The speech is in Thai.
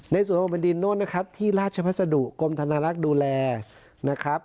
ในส่วนของแผ่นดินโน้นนะครับที่ราชพัสดุกรมธนารักษ์ดูแลนะครับ